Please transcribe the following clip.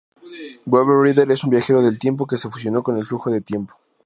Waverider es un viajero del tiempo que se fusionó con el flujo de tiempo.